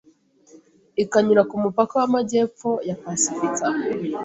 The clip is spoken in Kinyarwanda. ikanyura kumupaka wamajyepfo ya pasifika